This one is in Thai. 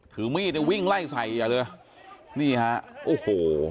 ถือมีดวิ่งไล่ใส่อีกแล้วนี่ฮะโอ้โห